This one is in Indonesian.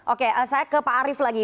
oke saya ke pak arief lagi